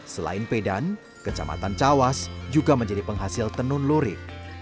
selain pedan kecamatan cawas juga menjadi penghasil tenun lurik